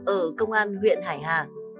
ở công an huyện hải hà